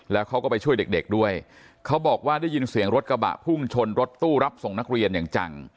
แล้วเขาก็ไปช่วยเด็กเด็กด้วยเขาบอกว่าได้ยินเสียงรถกระบะพุ่งชนรถตู้รับส่งนักเรียนอย่างจัง